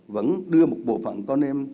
vẫn đưa một bộ phận con em